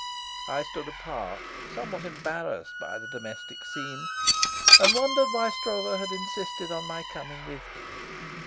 I stood apart, somewhat embarrassed by the domestic scene, and wondered why Stroeve had insisted on my coming with him.